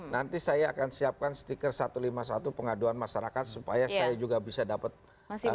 nanti saya akan siapkan stiker satu ratus lima puluh satu pengaduan masyarakat supaya saya juga bisa dapat